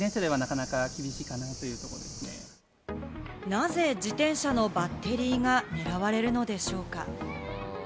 なぜ自転車のバッテリーが狙われるのでしょうか？